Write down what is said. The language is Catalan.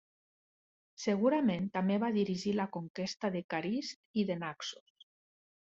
Segurament també va dirigir la conquesta de Carist i de Naxos.